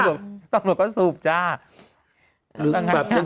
ตำรวจก็สูบจ้า